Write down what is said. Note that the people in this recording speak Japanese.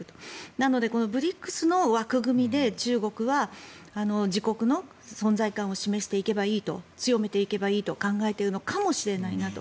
なので、ＢＲＩＣＳの枠組みで中国は自国の存在感を示していけばいいと強めていけばいいと考えているのかもしれないなと。